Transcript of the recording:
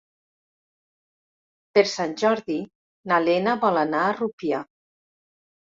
Per Sant Jordi na Lena vol anar a Rupià.